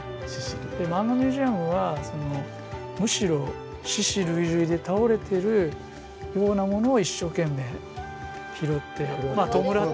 マンガミュージアムはむしろ死屍累々で倒れてるようなものを一生懸命拾ってまあ弔ってる。